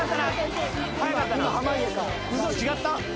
嘘違った。